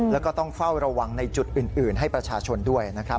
แล้วก็ต้องเฝ้าระวังในจุดอื่นให้ประชาชนด้วยนะครับ